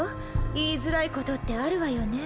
言いづらいことってあるわよね。